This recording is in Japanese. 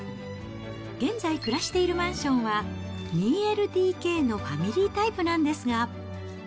現在暮らしているマンションは、２ＬＤＫのファミリータイプなんですが。